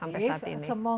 sampai saat ini